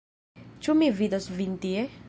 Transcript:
Ĉu mi vidos vin tie?